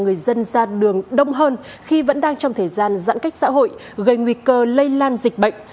người dân ra đường đông hơn khi vẫn đang trong thời gian giãn cách xã hội gây nguy cơ lây lan dịch bệnh